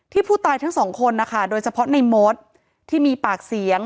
ผู้ตายทั้งสองคนนะคะโดยเฉพาะในมดที่มีปากเสียง